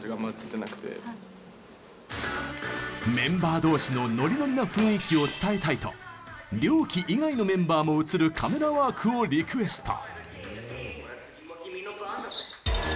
メンバー同士のノリノリな雰囲気を伝えたいとＲＹＯＫＩ以外のメンバーも映るカメラワークをリクエスト。